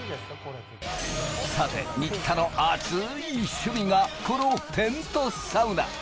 さて、新田のアツい趣味がこのテントサウナ。